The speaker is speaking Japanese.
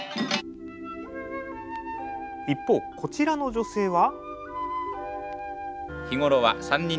一方こちらの女性は。